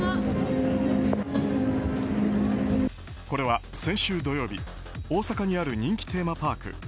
これは、先週土曜日大阪にある人気テーマパーク